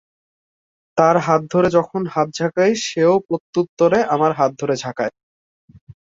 তার হাত ধরে যখন হাত ঝাঁকাই, সেও প্রত্যুত্তরে আমার হাত ধরে ঝাঁকায়।